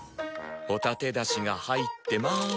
ホタテだしが入ってまーす。